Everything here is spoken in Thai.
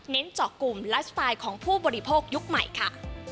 เจาะกลุ่มไลฟ์สไตล์ของผู้บริโภคยุคใหม่ค่ะ